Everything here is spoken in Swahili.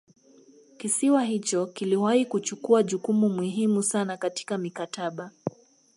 Kisiwa hicho kiliwahi kuchukua jukumu muhimu sana katika mikataba